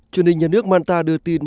truyền hình nhà nước manta đưa tin